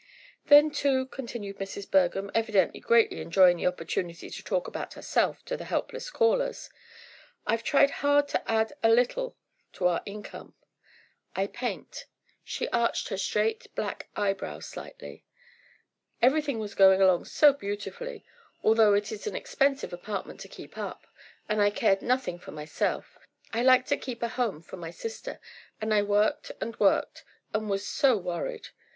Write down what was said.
"Then, too," continued Mrs. Bergham, evidently greatly enjoying the opportunity to talk about herself to the helpless callers, "I've tried hard to add a little to our income. I paint," she arched her straight, black eyebrows slightly. "Everything was going along so beautifully, although it is an expensive apartment to keep up, and I cared nothing for myself, I like to keep a home for my sister, and I worked and worked, and was so worried.